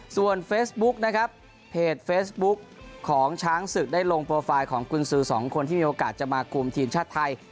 ส่วนเฟซบุ๊กนะครับเพจเฟซบุ๊กของช้างศึกได้ลงโปรไฟล์ของกุญสือสองคนที่มีโอกาสจะมาคุมทีมชาติไทย